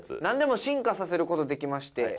何でも進化させることできまして。